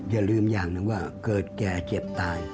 อย่าลืมอย่างหนึ่งว่าเกิดแก่เจ็บตาย